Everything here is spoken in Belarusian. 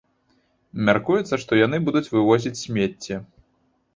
Мяркуецца, што яны будуць вывозіць смецце.